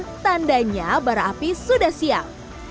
dan tandanya bara api sudah siap